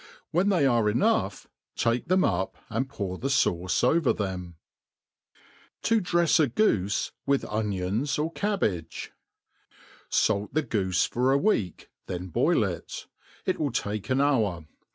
When they are enough, take them up, and pour the fauce over them* To drefs a Goofe with Onions or Cabbage^ »• SALT the goofe for a week, then boil it. It will take an hour.